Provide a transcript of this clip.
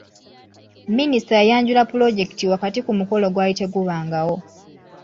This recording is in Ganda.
Minisita yayanjula pulojekiti wakati ku mukolo ogwali tegubangawo.